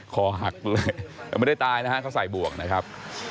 คอหักเลยแต่ไม่ได้ตายนะฮะเขาใส่บวกนะครับ